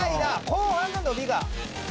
後半の伸びが」